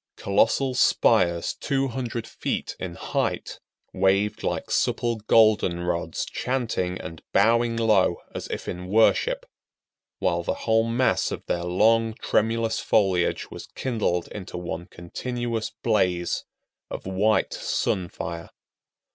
Colossal spires 200 feet in height waved like supple golden rods chanting and bowing low as if in worship, while the whole mass of their long, tremulous foliage was kindled into one continuous blaze of white sun fire.